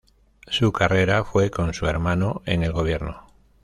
Su carrera fue con su hermano en el gobierno.